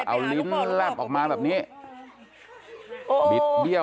พ่ออย่างไงลูกว่านโอ๊ยว่านว่านที่ตายซะแล้วเนี่ยนะ